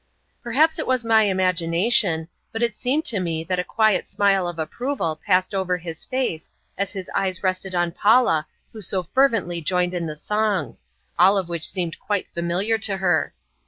Perhaps it was my imagination, but it seemed to me that a quiet smile of approval passed over his face as his eyes rested on Paula who so fervently joined in the songs all of which seemed quite familiar to her.